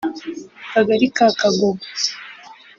Akagali ka Kagugu